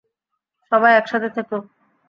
সবাই একসাথে থেকো!